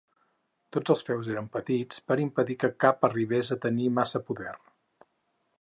Tots els feus eren petits per impedir que cap arribés a tenir massa poder.